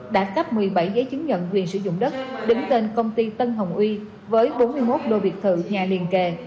đã cấp một mươi bảy giấy chứng nhận quyền sử dụng đất đứng tên công ty tân hồng uy với bốn mươi một lô biệt thự nhà liền kề